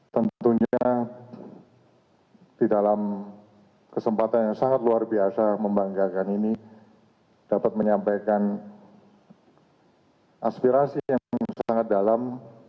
tentunya di dalam kesempatan yang sangat luar biasa membanggakan ini dapat menyampaikan aspirasi yang sangat dalam